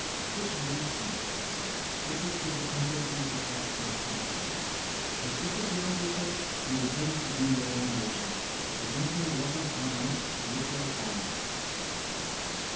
"Which reminds me," Ricky took a crumpled piece of white cloth from her pocket, "if this is yours, Rupert, you deserve to do your own washing. I don't know what you've got on it; looks like oil."